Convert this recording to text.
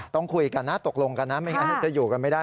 ต้องคุยกันนะตกลงกันนะไม่งั้นจะอยู่กันไม่ได้